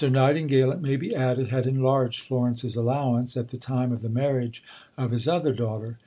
Nightingale, it may be added, had enlarged Florence's allowance at the time of the marriage of his other daughter.